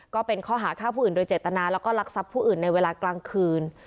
ก็เป็นข้อหาฆ่าผู้อื่นโดยเจตนาแล้วก็รักทรัพย์ผู้อื่นในเวลากลางคืน